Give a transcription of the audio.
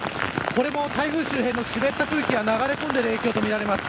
これも台風周辺の湿った空気が流れ込んでいる影響とみられます。